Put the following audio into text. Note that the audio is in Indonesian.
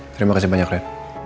terima kasih banyak ren